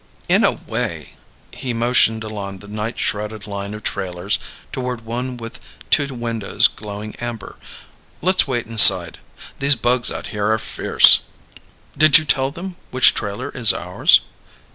"In a way." He motioned along the night shrouded line of trailers toward one with two windows glowing amber. "Let's wait inside. These bugs out here are fierce." "Did you tell them which trailer is ours?"